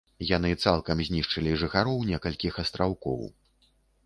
Яны цалкам знішчылі жыхароў некалькіх астраўкоў.